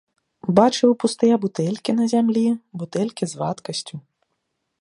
Бачыў пустыя бутэлькі на зямлі, бутэлькі з вадкасцю.